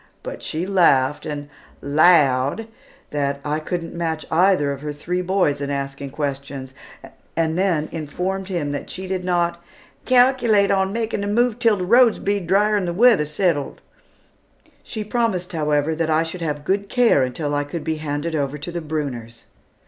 But she laughed, and "'lowed" that I couldn't match either of her three boys in asking questions, and then informed him that she did not "calculate on making the move until the roads be dryer and the weather settled." She promised, however, that I should have good care until I could be handed over to the Brunners.